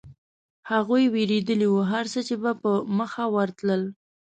هغوی وېرېدلي و، هرڅه چې به په مخه ورتلل.